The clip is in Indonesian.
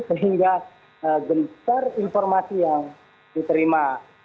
sehingga gencar informasi yang diterima